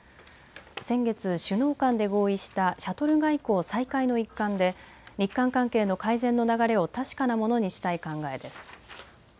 先月、首脳間で合意したシャトル外交再開の一環で日韓関係の改善の流れを確かなものにしたい考えです。